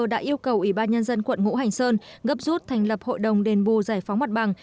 đã yêu cầu ủy ban nhân dân quận ngũ hành sơn gấp rút thành lập hội đồng đền bù giải phóng mặt bằng